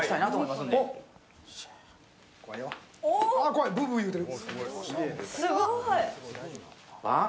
怖い、ブーブーいうてる。